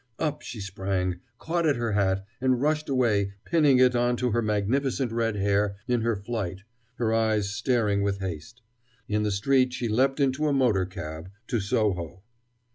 Up she sprang, caught at her hat, and rushed away, pinning it on to her magnificent red hair in her flight, her eyes staring with haste. In the street she leapt into a motor cab to Soho.